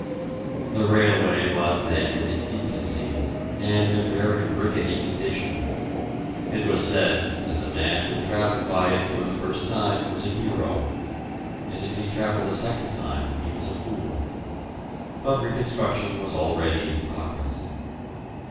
The railway was then in its infancy, and in a very rickety condition; it was said that the man who travelled by it for the first time was a hero, and if he travelled a second time he was a fool. But reconstruction was already in progress.